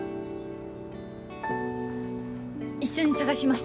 一緒に捜します。